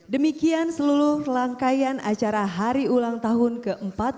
demikian seluruh rangkaian acara hari ulang tahun ke empat puluh lima